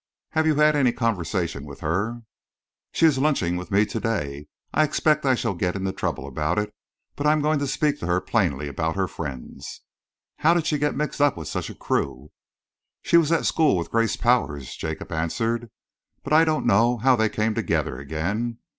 "Have you had any conversation with her?" "She is lunching with me to day. I expect I shall get into trouble about it, but I am going to speak to her plainly about her friends." "How did she get mixed up with such a crew?" "She was at school with Grace Powers," Jacob answered, "but I don't know how they came together again.